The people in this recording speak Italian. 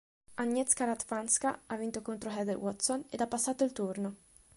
Agnieszka Radwańska ha vinto contro Heather Watson ed ha passato il turno.